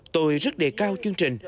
tôi rất đề cao chương trình